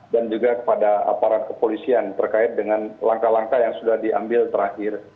dan juga kepada aparat kepolisian terkait dengan langkah langkah yang sudah diambil terakhir